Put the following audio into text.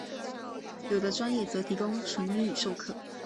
有的专业则提供纯英语授课。